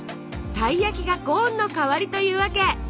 たい焼きがコーンの代わりというわけ！